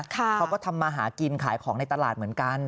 เขาก็ทำมาหากินขายของในตลาดเหมือนกัน